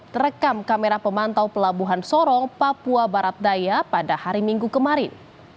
terekam kamera pemantau pelabuhan sorong papua barat daya pada hari minggu kemarin